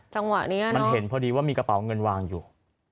จังหวะนี้มันเห็นพอดีว่ามีกระเป๋าเงินวางอยู่